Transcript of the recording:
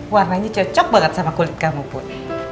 warnanya cocok banget sama kulit kamu pun